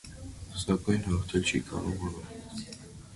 Սակայն հաղթել չի կարողանում։